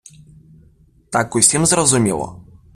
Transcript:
Так усім зрозуміло?